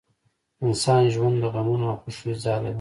انسان ژوند د غمونو او خوښیو ځاله ده